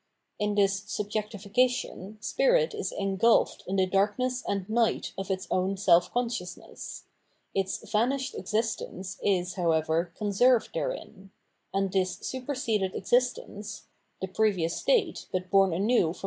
In this subjectifi cation, Spirit is engulfed in the darkness and night of its own self consciousness ; its vanished existence is, however, conserved therein; and this superseded ex istence — the previous state, but born anew from the * Cp.